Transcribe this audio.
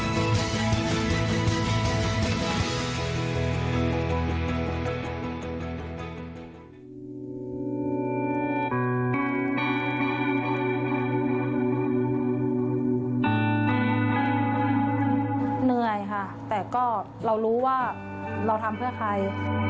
เหนื่อยค่ะแต่ก็เรารู้ว่าเราทำเพื่อใคร